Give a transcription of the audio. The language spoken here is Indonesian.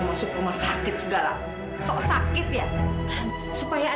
mau dia sakit mau dia sekarat